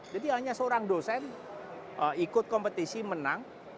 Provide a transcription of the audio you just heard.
hanya seorang dosen ikut kompetisi menang